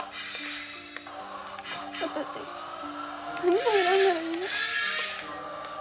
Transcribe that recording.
私何を選んだらいいの？